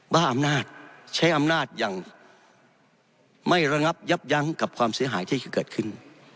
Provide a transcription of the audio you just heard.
บ้าอำนาจใช้อำนาจอย่างไม่ระงับยับยั้งกับความเสียหายที่เกิดขึ้น